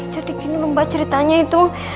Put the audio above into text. jadi gini mbak ceritanya itu